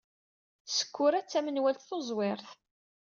Sekkura d tamenwalt tuẓwirt.